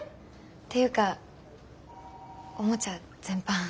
っていうかおもちゃ全般